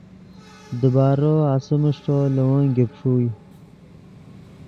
دیبارو آسیم اݰٹو لے ون گیب ݰوئے